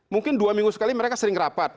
mungkin dua minggu sekali mereka sering rapat